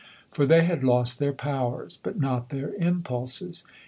For they had lost their powers, but not their impulses.